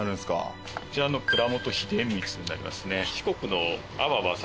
こちらの蔵元秘伝みつになりますね。